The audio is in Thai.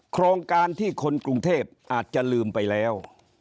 โครงการที่คนกรุงเทพอาจจะลืมไปแล้ว